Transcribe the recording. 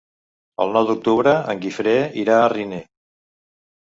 El nou d'octubre en Guifré irà a Riner.